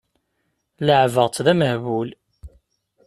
Leɛbeɣ-tt d amehbul.